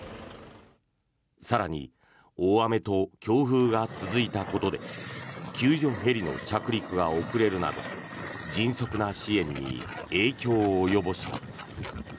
更に、大雨と強風が続いたことで救助ヘリの着陸が遅れるなど迅速な支援に影響を及ぼした。